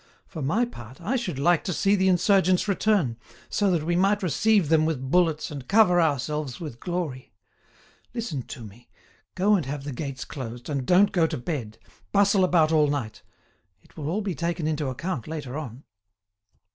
For my part, I should like to see the insurgents return, so that we might receive them with bullets and cover ourselves with glory. Listen to me, go and have the gates closed, and don't go to bed; bustle about all night; it will all be taken into account later on."